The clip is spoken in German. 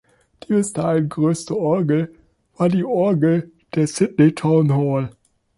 Die bis dahin größte Orgel war die Orgel der Sydney Town Hall.